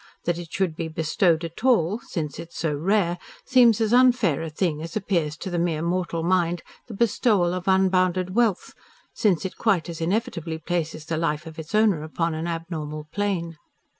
That it should be bestowed at all since it is so rare seems as unfair a thing as appears to the mere mortal mind the bestowal of unbounded wealth, since it quite as inevitably places the life of its owner upon an abnormal plane.